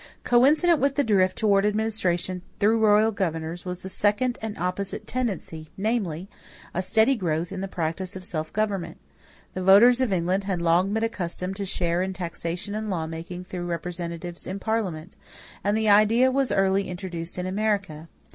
= Coincident with the drift toward administration through royal governors was the second and opposite tendency, namely, a steady growth in the practice of self government. The voters of England had long been accustomed to share in taxation and law making through representatives in Parliament, and the idea was early introduced in America.